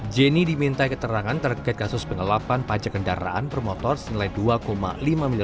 jenny diminta keterangan terkait kasus pengelapan pajak kendaraan bermotor senilai dua lima miliar